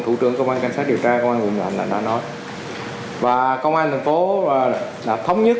thủ trưởng công an cảnh sát điều tra công an quận thành phố đã nói và công an thành phố đã thống nhất